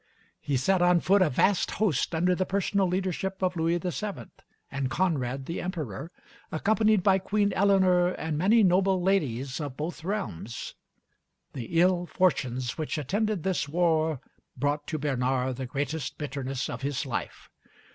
He set on foot a vast host under the personal leadership of Louis VII. and Conrad the Emperor, accompanied by Queen Eleanor and many noble ladies of both realms. The ill fortunes which attended this war brought to Bernard the greatest bitterness of his life.